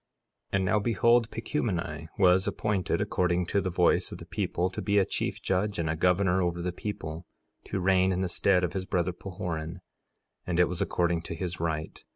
1:13 And now behold, Pacumeni was appointed, according to the voice of the people, to be a chief judge and a governor over the people, to reign in the stead of his brother Pahoran; and it was according to his right.